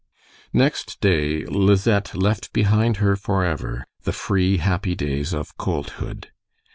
Next day Lisette left behind her forever the free, happy days of colthood.